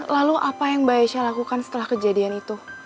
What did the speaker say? lalu apa yang mbak aisyah lakukan setelah kejadian itu